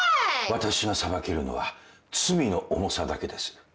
私が裁けるのは罪の重さだけです。